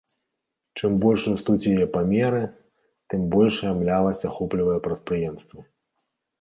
Чым больш растуць яе памеры, тым большая млявасць ахоплівае прадпрыемствы.